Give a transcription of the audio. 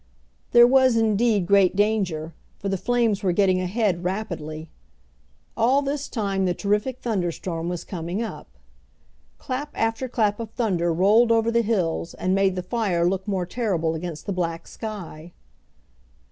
There was indeed great danger, for the flames were getting ahead rapidly. All this time the terrific thunderstorm was coming up. Clap after clap of thunder rolled over the hills and made the fire look more terrible against the black sky.